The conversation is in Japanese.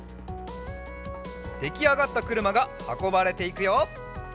できあがったくるまがはこばれていくよ。